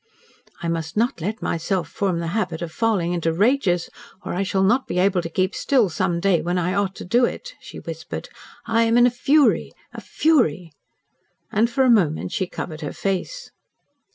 "I must not let myself form the habit of falling into rages or I shall not be able to keep still some day, when I ought to do it," she whispered. "I am in a fury a fury." And for a moment she covered her face.